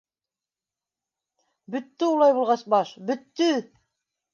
— Бөттө улай булғас баш, бөттө!